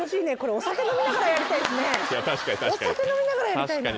お酒飲みながらやりたいな。